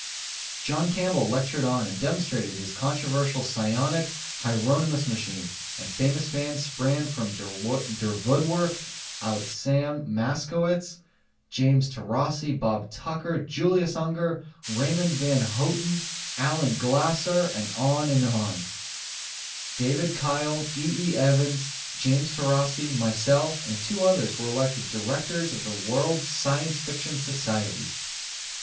John Campbell lectured on and demonstrated his controversial psionic Hieronymus machine, and famous fans sprang from der vood work out Sam Moskowitz, James Taurasi, Bob Tucker, Julius Unger, Raymond Van Houten, Allen Glasser ... David Kyle, E. E. Evans, James Taurasi, myself and 2 others were elected Directors of the World Science Fiction Society.